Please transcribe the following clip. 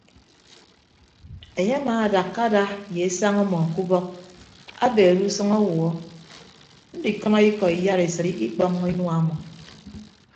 Enye amaadakka ada ye esañ ọmọ ke ubọk abeere usʌñ awuọ ndikʌnọ ikọ iyaresịt ikikpọññọ inua ọmọ.